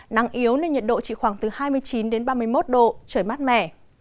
nắng yếu nên nhiệt độ chỉ khoảng từ hai mươi chín đến ba mươi một độ trời mát mẻ